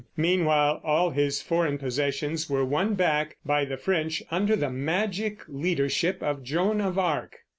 Meanwhile all his foreign possessions were won back by the French under the magic leadership of Joan of Arc.